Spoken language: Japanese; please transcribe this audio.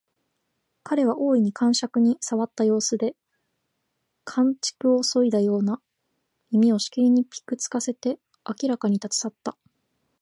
彼は大いに肝癪に障った様子で、寒竹をそいだような耳をしきりとぴく付かせてあららかに立ち去った